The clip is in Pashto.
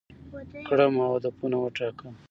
کړم او هدفونه وټاکم،